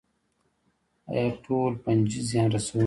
ایا ټولې فنجي زیان رسوونکې دي